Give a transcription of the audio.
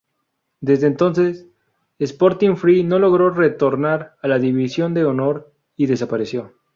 Desde entonces, Sporting Fry no logró retornar a la división de honor y desapareció.